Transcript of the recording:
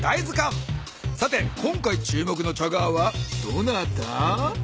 さて今回注目のチャガーはどなた？